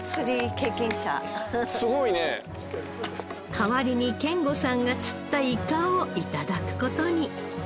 代わりに賢吾さんが釣ったイカを頂く事に